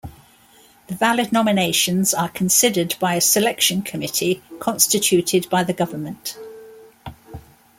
The valid nominations are considered by a selection committee constituted by the Government.